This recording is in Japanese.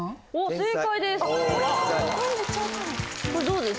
正解です。